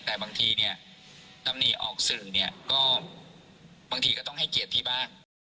แต่บางทีเนี่ยตำหนิออกสื่อเนี่ยก็บางทีก็ต้องให้เกียรติพี่บ้าง